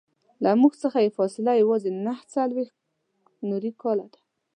له موږ څخه یې فاصله یوازې نهه څلویښت نوري کاله ده.